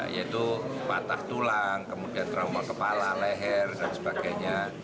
yaitu patah tulang kemudian trauma kepala leher dan sebagainya